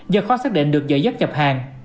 do khó xác định được giờ giấc nhập hàng